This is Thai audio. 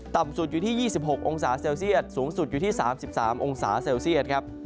ต่ำสุดอยู่ที่๒๖องศาเซลเซียตสูงสุดอยู่ที่๓๓องศาเซลเซียตครับ